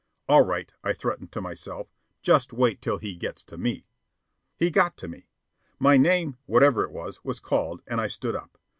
All right, I threatened to myself; just wait till he gets to me. He got to me. My name, whatever it was, was called, and I stood up.